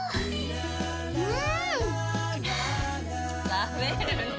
食べるねぇ。